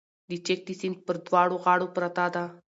د چک د سیند پر دواړو غاړو پرته ده